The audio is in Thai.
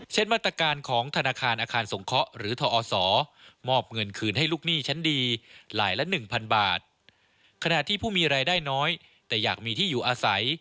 เช่นมาตรการของธนาคารอาคารสงเคราะห์หรือธอศ